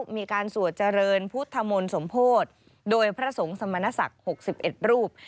มีการสวดเจริญพุทธมนต์สมโพธิโดยพระสงฆ์สมณศักดิ์๖๑รูป